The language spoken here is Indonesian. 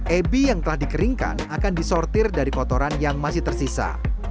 ebi yang telah dikeringkan akan disortir dari kotoran yang masih tersisa